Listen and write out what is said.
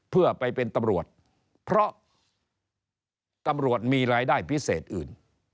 เพื่อไปเป็นตำรวจเพราะตำรวจมีรายได้พิเศษอื่น